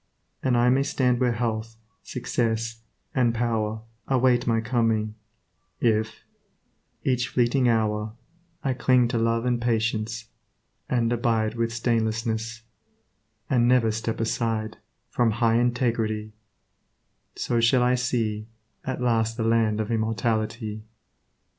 And I may stand where health, success, and power Await my coming, if, each fleeting hour, I cling to love and patience; and abide With stainlessness; and never step aside From high integrity ; so shall I see At last the land of immortality.